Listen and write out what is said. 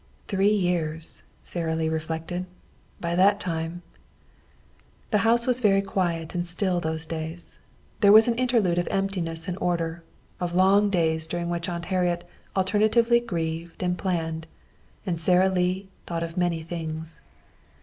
"Three years," Sara Lee reflected. "By that time " The house was very quiet and still those days. There was an interlude of emptiness and order, of long days during which Aunt Harriet alternately grieved and planned, and Sara Lee thought of many things.